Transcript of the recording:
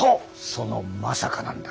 そのまさかなんだ。